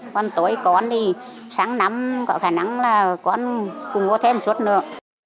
còn tối con đi sáng năm có khả năng là con cũng mua thêm một suất nữa